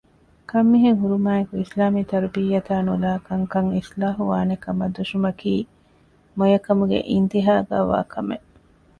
ކަންމިހެންހުރުމާއެކު އިސްލާމީ ތަރުބިޔަތާ ނުލައި ކަންކަން އިޞްލާޙުވާނެކަމަށް ދުށުމަކީ މޮޔަކަމުގެ އިންތިހާގައިވާ ކަމެއް